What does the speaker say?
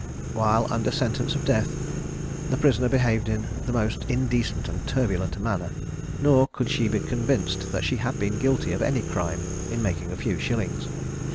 While under sentence of death, the prisoner behaved in the most indecent and turbulent manner; nor could she be convinced that she had been guilty of any crime in making a few shillings.